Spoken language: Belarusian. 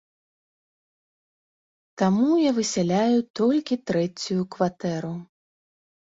Таму я высяляю толькі трэцюю кватэру.